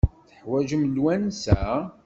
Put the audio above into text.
Teḥwajem lemwansa?